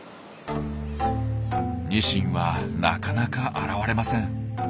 ニシンはなかなか現れません。